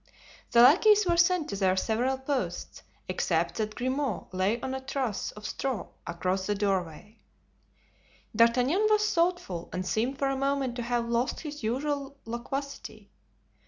The lackeys were sent to their several posts, except that Grimaud lay on a truss of straw across the doorway. D'Artagnan was thoughtful and seemed for the moment to have lost his usual loquacity.